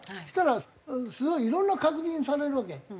そしたらすごいいろんな確認されるわけ。